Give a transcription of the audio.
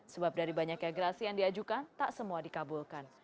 sebab dari banyaknya gerasi yang diajukan tak semua dikabulkan